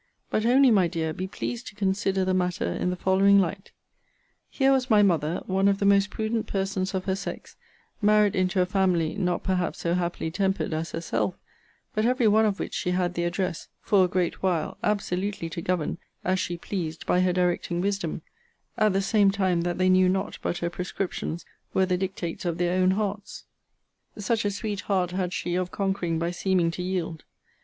But only, my dear, be pleased to consider the matter in the following light. 'Here was my MOTHER, one of the most prudent persons of her sex, married into a family, not perhaps so happily tempered as herself; but every one of which she had the address, for a great while, absolutely to govern as she pleased by her directing wisdom, at the same time that they knew not but her prescriptions were the dictates of their own hearts; such a sweet heart had she of conquering by seeming to yield.